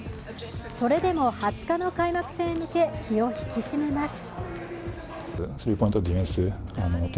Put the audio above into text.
それでも２０日の開幕戦へ向け気を引き締めます。